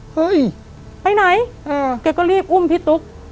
เฮ้ยไปไหนแกก็รีบอุ้มพี่ตุ๊ก